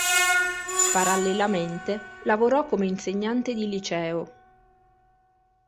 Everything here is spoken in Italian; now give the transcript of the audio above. Parallelamente lavorò come insegnante di liceo.